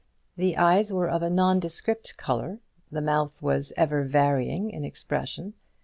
The eyes were of a nondescript colour; the mouth was ever varying in expression.